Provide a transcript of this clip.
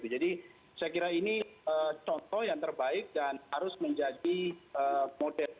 saya kira ini contoh yang terbaik dan harus menjadi model